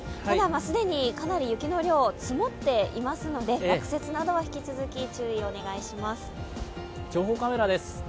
ただかなり雪の量、積もっていますので落雪などは引き続き注意をお願いします。